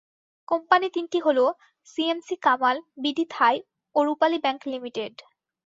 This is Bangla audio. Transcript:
কোম্পানি তিনটি হলো সিএমসি কামাল, বিডি থাই ও রূপালী ব্যাংক লিমিটেড।